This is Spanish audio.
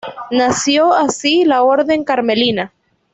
Nació así la orden carmelita.